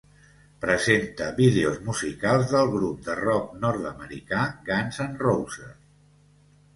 Presenta vídeos musicals del grup de rock nord-americà Guns N' Roses.